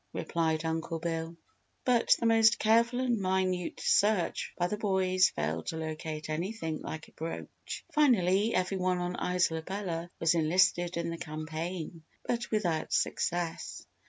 replied Uncle Bill. But the most careful and minute search by the boys failed to locate anything like a brooch. Finally, every one on Isola Bella was enlisted in the campaign, but without success.